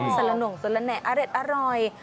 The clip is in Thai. สละหน่งสละแห่อร็ดอร่อย